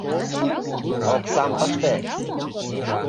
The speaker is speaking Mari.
Оксам пыште...